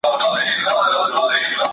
که موضوع څېړل سوي وي، بیا یې مه څېړئ.